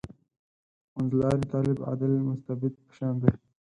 منځلاری طالب «عادل مستبد» په شان دی.